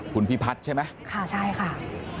คุณพิพัฒน์ใช่ไหมค่ะใช่ค่ะ